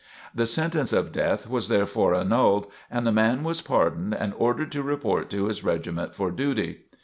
The sentence of death was therefore annulled, and the man was pardoned and ordered to report to his regiment for duty.